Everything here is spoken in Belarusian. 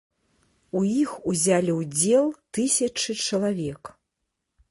У іх узялі ўдзел тысячы чалавек.